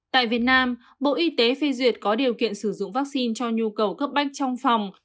tại việt nam bộ y tế phê duyệt có điều kiện sử dụng vaccine cho nhu cầu cấp bách trong phòng